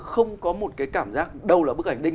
không có một cái cảm giác đâu là bức ảnh đinh